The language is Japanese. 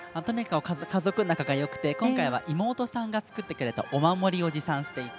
家族仲がよくて今回は妹さんが作ってくれたお守りを持参していて。